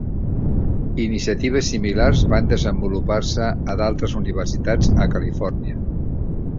Iniciatives similars van desenvolupar-se a d'altres Universitats a Califòrnia.